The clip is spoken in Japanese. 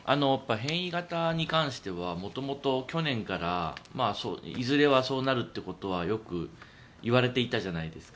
変異型に関しては元々、去年からいずれはそうなるってことはよく言われていたじゃないですか。